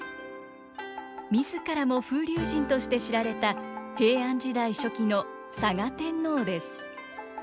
自らも風流人として知られた平安時代初期の嵯峨天皇です。